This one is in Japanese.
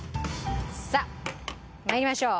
さあ参りましょう。